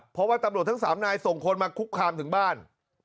เพราะว่าตำรวจทั้ง๓นายส่งคนมาคุกคามถึงบ้าน